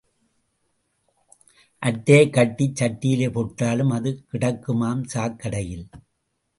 அட்டையைக் கட்டிச் சட்டியிலே போட்டாலும் அது கிடக்குமாம் சாக்கடையில்.